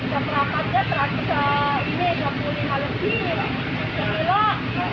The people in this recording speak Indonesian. cabai cabainya mahal banget